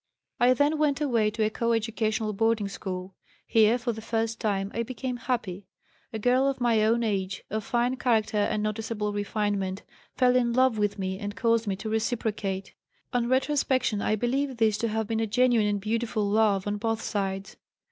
"I then went away to a co educational boarding school. Here for the first time I became happy. A girl of my own age, of fine character and noticeable refinement, fell in love with me and caused me to reciprocate. On retrospection I believe this to have been a genuine and beautiful love on both sides.